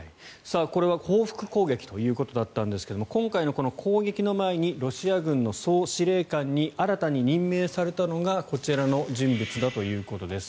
これは報復攻撃ということだったんですが今回のこの攻撃の前にロシア軍の総司令官に新たに任命されたのがこちらの人物だということです。